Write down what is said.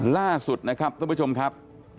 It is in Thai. ล่าสุดนะครับท่านผู้ชมครับ